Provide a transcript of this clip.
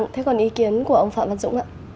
thế còn ý kiến của ông phạm văn dũng ạ